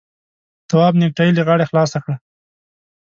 تواب نېکټايي له غاړې خلاصه کړه.